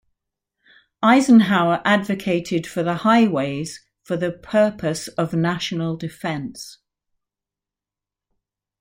Eisenhower advocated for the highways for the purpose of national defense.